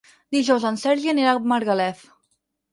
Dijous en Sergi anirà a Margalef.